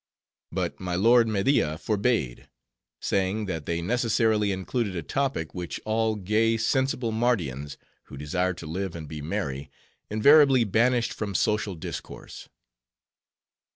But my lord Media forbade; saying that they necessarily included a topic which all gay, sensible Mardians, who desired to live and be merry, invariably banished from social discourse.